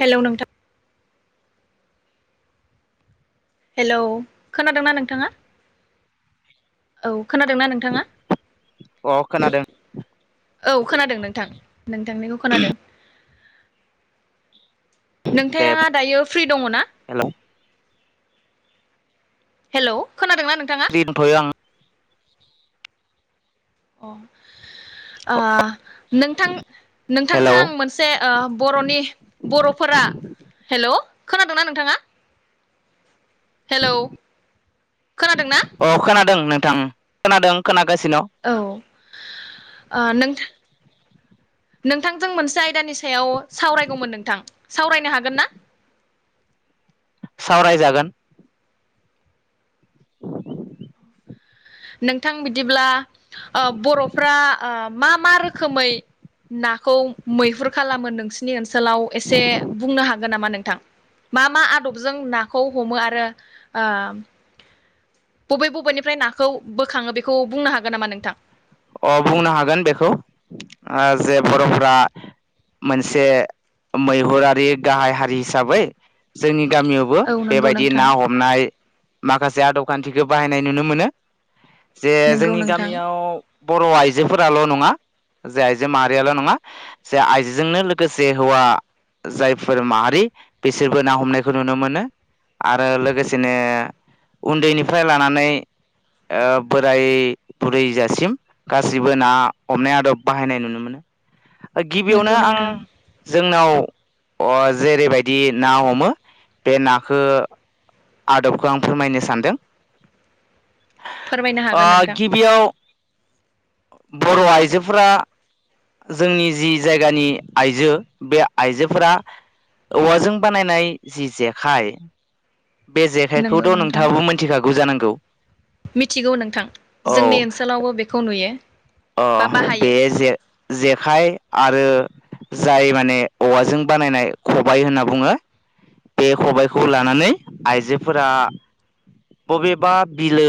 Hello नोंथां hello खोनादोंना नोंथाङा? औ खोनादोंना नोंथाङा? अ खोनादों। औ खोनादों नोंथां नोंथांनिखौ खोनादों। दे बुं नोंथाङा दायो फ्रि दङ ना? हेलौ हेल' [unintelligible] आं अ ओ नोंथां हेलौ नोंथांजों आं मोनसे बर'नि बर'फोरा हेलौ खोनादोंना नोंथाङा हेलौ खोनादों ना दों नोंथां खोनादों खोना औ ओ नोंथा नोंथांजों मोनसे आयदानि सायाव सावरायगौमोन नोंथां सावरायनो हागोन ना सावरायजागोन नोंथां बिदिब्ला ओ बर'फ्रा ओ मा मा रोखोमै नाखौ मैहुर खालामो नोंसिनि ओनस सोलाव एसे बुंनो हागोन नामा नों थां मा मा आदबजों नाखौ हमो आरो ओ बबे बबेनिफ्राय नाखौ खौ बोखाङो बेखौ बुंनो हागोन नामा नोंथां अ बुंनो हागोन बेखौ ओ जे बर'फ्रा मोनसे मैहुरारि गाहाय हारि हिसाबै जोंनि गामियावबो औ नंगौ बेबायदि नोंथां ना हमनाय माखासे आदब खान्थिखौ बाहायनाय नुनो मोनो। जे नंगौ जोंनि नोंथां गामियाव बर' आइजोफोराल' नङा जे आइजो माहारियाल' नङा जे आइजोजोंनो लोगोसे हौवा जायफोर माहारि बिसोरबो ना हमनायखौ नुनो मोनो आरो लोगोसेनो उन्दैनिफ्राय लानानै ओ बोराय बुरैजासिम गासिबो ना हमनाय आदब बाहायनाय नुनो मोनो। गिबियावनो नंगौ आं नोंथां जोंनाव अ जेरैबायदि ना हमो बे नाखो आदबखौ आं फोरमायनो सानदों फोरमायनो अ हागोन नोंथां गिबियाव बर' आइजोफोरा जोंनि जि जायगानि आइजो बे आइजोफोरा औवाजों बानायनाय जि जेखाइ बे नंगौ जेखाइखौथ' नोंथां नोंथाङाबो मोनथिखागौ जानांगौ मिथिगौ नोंथां जोंनि औ ओनसोलावबो बे खौ नुयो अ बा बाहायो बे जे-जेखाइ आरो जाय माने औवाजों बानायनाय खबाइ होनना बुङो बे खबाइखौ लानानै आइजोफोरा बबेबा बिलो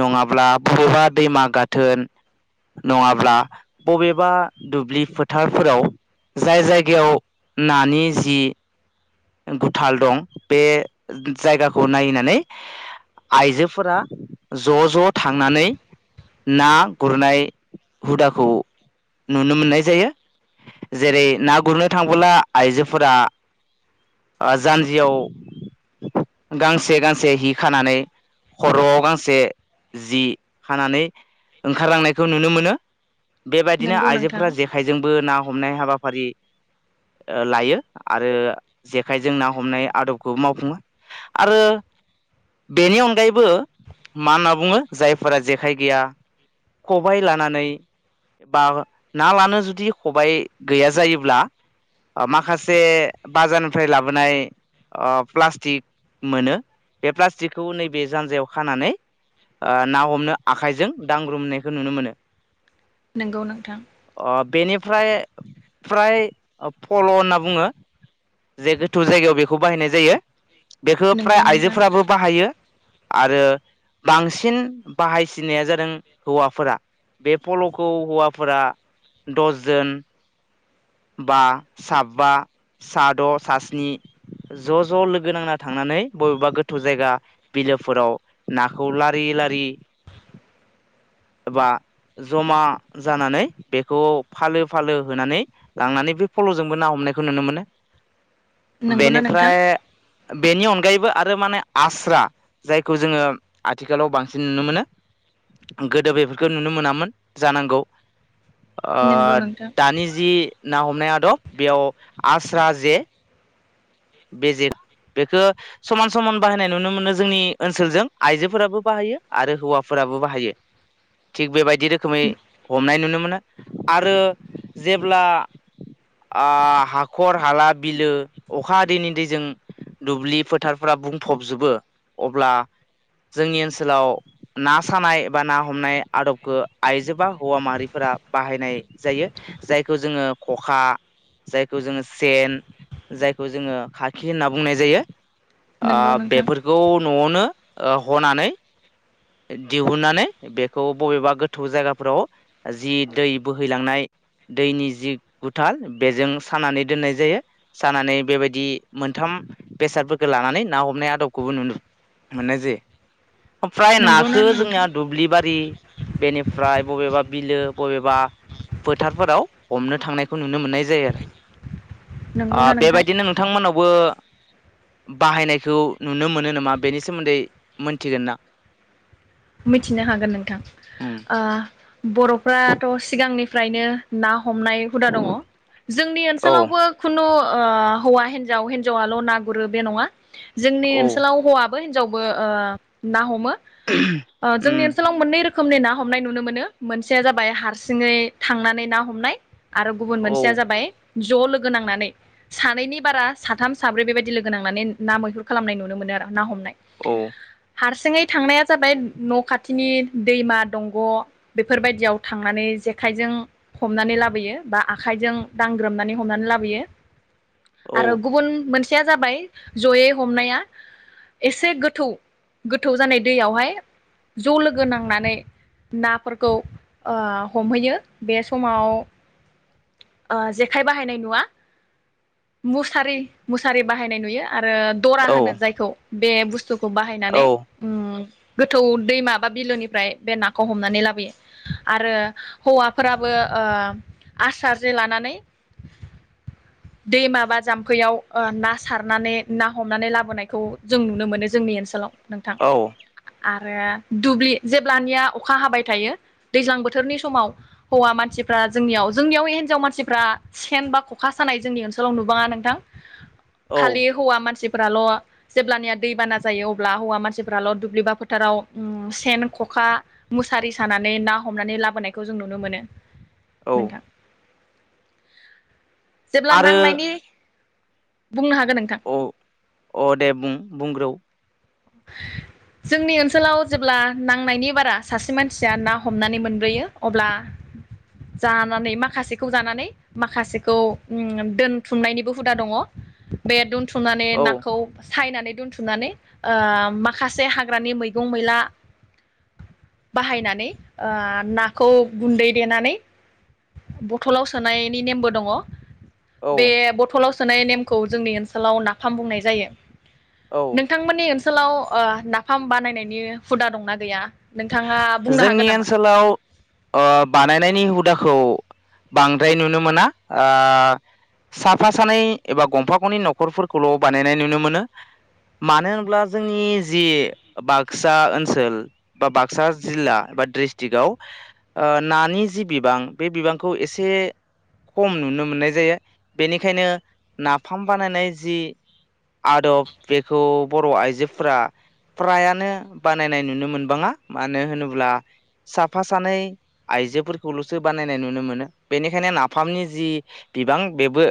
नङाब्ला बबेबा दैमा गाथोन नङाब्ला बबेबा दुब्लि फोथारफोराव जाय जायगायाव नानि जि गुथाल दं बे जायगाखौ नायनानै आइजोफोरा ज' ज' थांनानै ना गुरनाय हुदाखौ नुनो मोननाय जायो जेरै ना गुरनो थांबोला आइजोफोरा ओ जान्जियाव गांसे गांसे हि खानानै खर'आव गांसे जि खानानै ओंखारलांनायखौ नुनो मोनो। बेबायदिनो नंगौ नोंथां आइजोफोरा जेखाइजोंबो ना हमनाय हाबाफारि ओ लायो आरो जेखाइजों ना हमनाय आदबखौबो मावफुङो आरो बेनि अनगायैबो मा होनना बुङो जायफोरा जेखाय गैया खबाइ लानानै बा ना लानो जुदि खबाइ गैया जायोब्ला माखासे बाजारनिफ्राय लाबोनाय ओ प्लास्टिक मोनो बे प्लास्टिकखौ नैबे जानजायाव खानानै ना हमनो आखाइजों दांग्रोमनायखौ नुनो मोनो नोंगौ नोंथां फ्राय फ्राय फल' होनना बुङो जे गोथौ जायगायाव बेखौ बाहायनाय जायो। बेखौ फ्राय नंगौ नोंथां आइजोफोराबो बाहायो। आरो बांसिन बाहायसिनाया जा दों हौवाफोरा बे पल'खौ हौवाफोरा दसजोन बा साबा साद सास्नि ज ज लोगो नांना थांनानै बबेबा गोथौ जायगा बिलोफोराव नाखौ लारि लारि एबा जमा जानानै बेखौ फालो फालो होनानै लांनानै बे फल जोंबो ना हमनायखौ नुनो मोनो। नंगौना नोंथां? बेनिफ्राय बेनि अनगायैबो आरो माने आस्रा जायखौ जोङो आथिखालाव बांसिन नुनो मोनो गोदो बेफोरखौ नुनो मोनामोन जानांगौ नंगौ ओ नोंथां दानि जि हमनाय आदब बेयाव आस्रा जे बे जेट बेखौ समान समान बाहायनाय नुनो मोनो जोंनि ओनसोलजों आइजोफोराबो बाहायो आरो हौवाफोराबो बाहायो थिग बेबायदि रोखोमै हमनाय नुनो मोनो आरो जेब्ला आ हाखर हाला बिलो अख अखा हादैनि दैजों दुब्लि फोथारफोरा बुंफबजोबो अब्ला जोंनि ओनसोलाव ना सानाय बा ना हमनाय आदबखौ आइजो बा हौवा माहारिफोरा बाहायनाय जायो जायखौ जोङो खखा जायखौ जोङो सेन जाय खो जोङो खाखि होनना बुंनाय जायो। आ नंगौ नोंथां बेफोरखौ न'आवनो ओ हनानै दिहुननानै बेखौ बबेबा गोथौ जायगाफोराव जि दै बोहैलांनाय दैनि जि गुथाल बेजों सानानै दोननाय जायो सानानै बेबायदि मोनथाम बेसादफोरखौ लानानै ना हमनाय आदबखौबो नुनो मोननाय जायो। फ्राय नंगौना नाखो नोंथां जोंनिया दुब्लिबारि बेनिफ्राय बबेबा बिलो बबेबा फोथारफोराव हमनो थांनायखौ नुनो मोननाय जायो आरो। आ नंगौना नोंथां बेबायदिनो नोंथांमोनावबो बाहायनायखौ नुनो मोनो नामा बेनि सोमोन्दै मोनथिगोन ना? मिथिनो हागोन नोंथां उम आ बर'फ्राथ सिगांनि फ्रायनो ना हमनाय हुदा दङ जोंनि ओनसोलावबो खुनु ओ हौवा हिनजाव हिनजावाल ना गुरो बे नङा, जोंनि ओनसोलाव हौवाबो हिनजावबो ओ ना हमो। उम। ओ जोंनि ओनसोलाव मोननै रोखोमनि ना हमनाय नुनो मोनो मोनसेया जाबाय हारसिङै थांनानै ना हमनाय। आरो गुबुन मोनसेया औ-औ-औ-औ-औ-औ-औ-औ-औ-औ-औ जाबाय ज लोगो नांनानै सानैनि बारा साथाम साब्रै बेबायदि लोगो नांनानै ना मैहुर खालामनाय नुनो मोनो आरो ना हमनाय। औ। हारसिङै थांनाया जाबाय न' खाथिनि दैमा दंग बेफोरबायदियाव थांनानै जेखाइजों हमनानै लाबोयो बा आखाइजों दांग्रोमनानै हमनानै लाबोयो। आरो गुबुन मोन सेया जाबाय जयै हमनाया एसे गोथौ गोथौ जानाय दैयावहाय ज लोगो नांनानै नाफोरखौ ओ हमहैयो बे समाव ओ जेखाइ बाहायनाय नुवा मुसारि मुसारि बाहायनाय नुयो। आरो दरा होनो जायखौ बे बुस स्थुखो बाहायनानै उम्म थौ दैमा बा बिलोनिफ्राय बे नाखौ हमनानै लाबोयो आरो हौवाफोराबो ओम आसार जे लानानै दैमा बा जाम्फैयाव ओ ना सारनानै ना हमनानै लाबोनायखौ जों नुनो मोनो जोंनि ओनसोलाव। नोंथां। आरो दुब्लि जेब्लानिया अखा हाबाय थायो दैज्लां बोथोरनि समाव हौवा मानसिफ्रा जोंनियाव जोंनियाव हिनजाव मानसिफ्रा सेन बा खखा सानाय जोंनि ओनसोलाव नुबाङा नोंथां। खालि हौवा मानसि फोराल जेब्लानिया दै बाना जायो अब्ला हौवा मानसिफोराल' दुब्लिबा फोथाराव उम्म सेन ख'खा मुसारि सानानै ना हमनानै लाबोनायखौ जों नुनो मोनो। नोंथां। जेब्ला नांनायनि बुंनो हागोन नोंथां अ अ दे बुं बुंग्रौ। जोंनि ओनसोलाव जेब्ला नांनायनि बारा सासे मानसिया ना हमनानै मोनबोयो अब्ला जानानै माखासेखौ जानानै माखासेखौ दोनथुमनायनिबो हुदा दङ बे दुन थुमनानै नाखौ सायनानै दोनथुमनानै ओ माखासे हाग्रानि मैगं मैला बाहायनानै ओ नाखौ गुन्दै देनानै बथलाव सोनायनि नेमबो दङ। बे औ-औ-औ बथलाव सोनाय नेमखौ जोंनि ओनसोलाव नाफाम बुंनाय जायो नोंथांमोननि सोलाव नाफाम बानायनायनि हुदा दंना गैया नोंथाङा बुंनो जोंनि हागोन नामा ओनसोलाव ओ बानायनायनि हु दाखौ बांद्राय नुनो मोना साफा सानै एबा गंफा गंनै न'खरफोरखौल' बानायनाय नुनो मोनो मानो होनब्ला जोंनि जि बाक्सा ओनसोल बा बाक्सा जिल्ला बा डिस्ट्रिक्टआव नानि जि बिबां बे बिबांखौ एसे खम नुनो मोननाय जायो बेनिखायनो नाफाम बानायनाय जि आदब बेखौ बर' आइजोफोरा फ्रायानो बानायनाय नुनो मोन बाङा मानो होनोब्ला साफा सानै आइजोफोरखौल'सो बानायनाय नुनो मोनो बेनिखायनो नाफामनि जि बिबां बेबो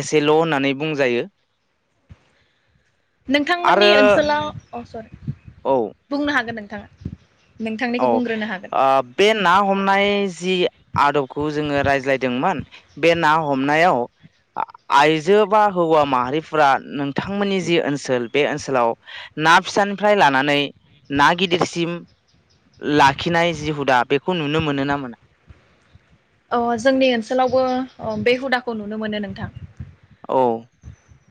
एसेल' होननानै बुंजायो नोंथांमोननि आरो ओनसोलाव अ सरि औ बुंनो हागोन नों थाङा औ ओ बे ना हमनाय जि आदबखौ जोङो राय- ज्लायदोंमोन बे ना हमनायाव आइजो बा हौवा माहारिफोरा नोंथांमोननि जि ओनसोल बे ओनसोलाव ना फिसानिफ्राय लानानै ना गिदिरसिम लाखिनाय जि हुदा बेखौ नुनो मोनो ना मोना अ जोंनि ओनसोलावबो ओ बे हुदाखौ नुनो मोनो नोंथां औ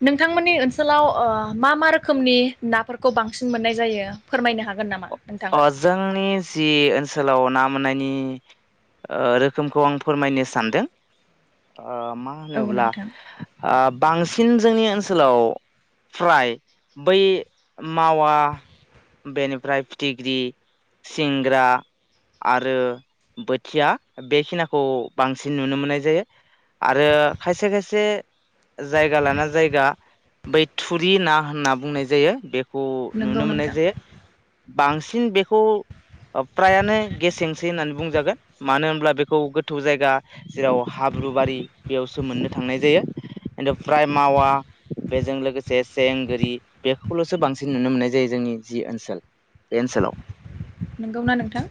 नोंथांमोननि ओनसोलाव ओ मा मा रोखोमनि नाफोरखौ बांसिन मोननाय जायो फोरमायनो हागोन नामा नोंथाङा अ जोंनि जि ओन सोलाव ना मोननायनि ओ रोखोमखौ आं फोरमायनो सानदों ओ मा औ होनोब्ला नोंथां बांसि इन जोंनि ओनसोलाव फ्राय बै मावा बेनिफ्राय फि थिग्रि सिंग्रा आरो बोथिया बेखिनाखौ बांसिन नुनो मोननाय जायो आरो खायसे खायसे जायगा लाना जायगा बै थुरि ना होनना बुंनाय जायो बे खौ नंगौ नुनो मोनाय नोंथां जे बांसिन बेखौ अ फ्रायानो गेसेंसै होननानै बुंजागोन मानो होनब्ला बेखौ गोथौ जायगा जेराव हाब्रुुबारि बेयावसो मोननो थांनाय जायो खिन्थु फ्राय मावा बेजों लोगोसे सेंग गोरि बेखौल'सो बांसिन नुनो मोननाय जायो जोंनि जि ओनसोल बेे ओनसोलाव नोंगौना नोंथां।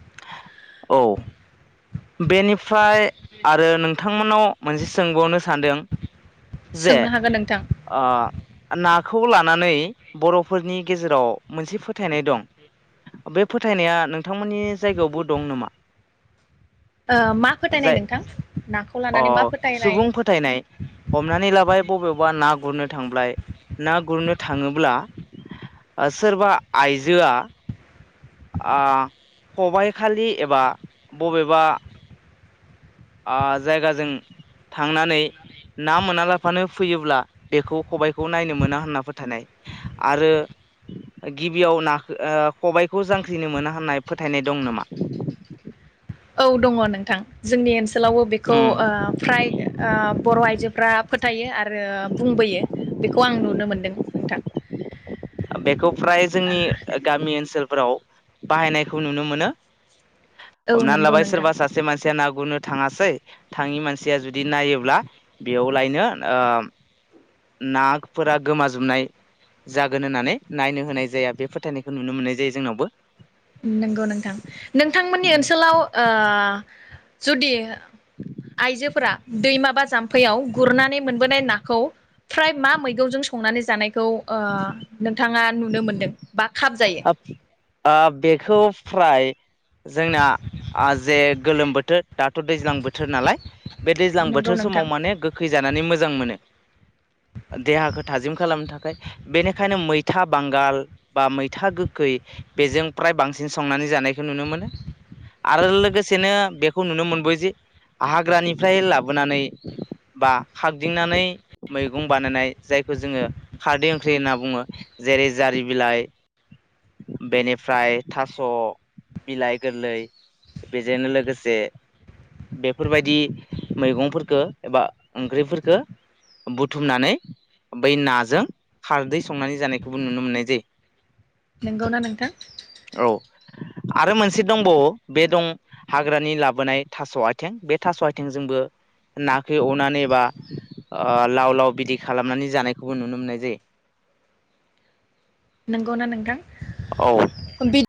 बेनिब ओमफ्राय आरो नोंथांमोननाव मोनसे सोंबावनो सानदों जे सोंनो हागोन नोंथां आ नाखौ लानानै बर'फोरनि गेजेराव मोनसे फोथायनाय दं बे फोथायनाया नोंथांमोननि जायगायावबो दं नामा ओ मा फोथायनाय जाय नोंथां नाखौ अ लानानै मा फोथायनाय? जे लाबाय बबेयावबा ना गुरनो थांबाय ना गुरनो थाङोब्ला सोरबा आइजोआ आ खबायाइ खालि एबा बबेबा आ जायगाजों थांनानै ना मोना लाफानो फैयोब्ला बेखौ खबायाइखौ नायनो मोना होनना फोथायनाय आरो गिबियाव नाखो ओ खबाय ख जांख्रिनो मोना होननाय फोथायनाय दं नामा? औ दङ नोंथां जोंनि ओनस थोलावयो बेखौ उम आ फ्राय आ बर आइजोफ्रा फोथायो आरो बुंबोयो बेखौ आं नुनो मोनदों नोंथां। बेखौ फ्राय जोंनि गामि ओनसोल फोराव बाहायनायखौ नुनो मोनो औ हमना नंगौ लाबाय सार नोंथां बा सासे मानसिया ना गुरनो थाङासै थाङि मानसिया जुदि नायोब्ला बेयावलायनो ओ नाफोरा गोमाजोबनाय जाग गोन होननानै नायनो होनाय जाया बे फोथायनायखौ नुनो मोननाय जायो जोंनावबो। नंगौ नोंथां नोंथांमोननि जोंनावबो ओनसोलाव ओ जुदि आइजोफोरा दैमाबा जाम्फैयाव गुरनानै मोनबोनाय नाखौ फ्राय मा मैगंजों संनानै जानायखौ ओ नोंथाङा नुनो मोनदों? बा खाब जायो आब आ बेखौ फ्राय जोंना जे गोलोम बोथोर दाथ दैज्लां बोथोर नालाय बे दैज्लां नंगौ बोथोर नोंथां समाव माने गोखै जानानै मोजां मोनो देहाखौ थाजिम खालामनो थाखाय बेनिखायनो मैथा बांगाल बा मै था गोखै बेजों फ्राय बांसिन संनानै जानायखौ नुनो मोनो आरो लोगोसेनो बेखौ नुनो मोनबो जे हाग्रानिफ्राय लाबोनानै बा खारदिंनानै मैगं बानायनाय जायखौ जोंङो खारदै ओंख्रि होनना बुंङो जेरै जारि बिलाइ बेनिफ्राय थास बिलाइ गोरलै बेजोंनो लोगोसे बेफोरबायदि मैगंफोरफोरखौ एबा ओंख्रिफोरखौ बुथुमनानै बै नाजों खारदै संनानै जानायखौबो नुनो मोननाय जायो नंगौना नोंथां। औ आरो मोनसे दंबावो बे दं हाग्रानि लाबोनाय थास आथिं बे थास आथिंजोंबो नाखौ अवनानै बा लाव लाव बिदै खालामनानै जानायखौबो नुनो मोननाय जायो नंगौ ना नोंथां औ [inaudible] बि